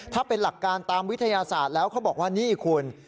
ถ้าเป็นหลักการตามวิทยาศาสตร์แล้วเขาบอกว่านี่คุณ